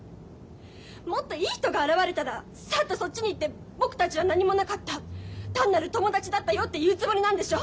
もっといい人が現れたらサッとそっちに行って「僕たちは何もなかった単なる友達だったよ」って言うつもりなんでしょ？